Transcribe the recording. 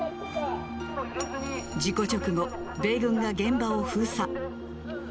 事故直後、米軍が現場を封鎖。